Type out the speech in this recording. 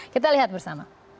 kita lihat bersama